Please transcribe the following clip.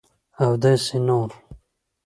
اوداسي نور